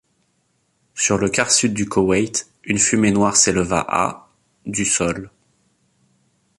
Sur le quart sud du Koweït, une fumée noire s'éleva à du sol.